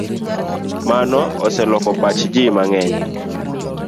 Mano oseloko pach ji mang'eny.